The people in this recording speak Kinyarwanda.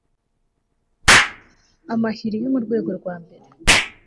amahiri yo mu rwego rwa mbere